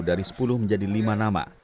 dari sepuluh menjadi lima nama